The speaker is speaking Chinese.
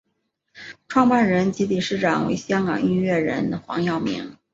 创办人及理事长为香港音乐人黄耀明。